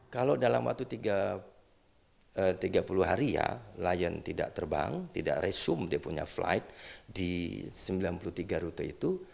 kalau dalam waktu tiga puluh hari ya lion tidak terbang tidak resume dia punya flight di sembilan puluh tiga rute itu